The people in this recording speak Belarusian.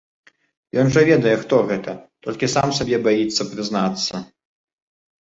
Ён жа ведае хто гэта, толькі сам сабе баіцца прызнацца.